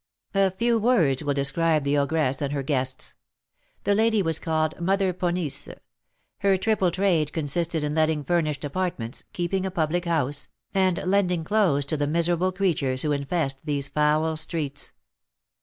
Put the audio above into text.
A few words will describe the ogress and her guests. The lady was called Mother Ponisse; her triple trade consisted in letting furnished apartments, keeping a public house, and lending clothes to the miserable creatures who infest these foul streets.